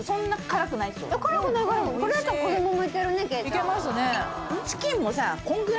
いけますね。